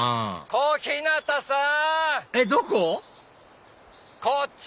小日向さん。